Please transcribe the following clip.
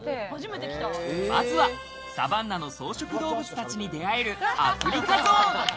まずはサバンナの草食動物たちに出会えるアフリカゾーン。